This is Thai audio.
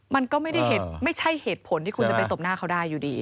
มันก็ไม่ใช่เหตุผลที่คุณจะไปตบหน้าเขาได้อยู่ดี